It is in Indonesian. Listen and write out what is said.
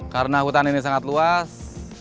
karena hutan ini sangat luas